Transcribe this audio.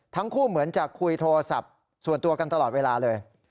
เหมือนจะคุยโทรศัพท์ส่วนตัวกันตลอดเวลาเลย